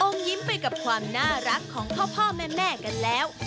ยิ้มไปกับความน่ารักของพ่อแม่กันแล้ว